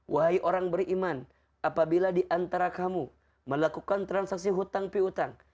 wahai orang beriman apabila diantara kamu melakukan transaksi hutang pihutang